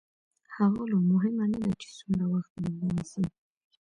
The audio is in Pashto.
ښاغلو مهمه نه ده چې څومره وخت به ونيسي.